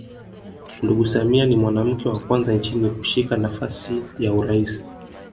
Ndugu Samia ni mwanamke wa kwanza nchini kushika nafasi ya urais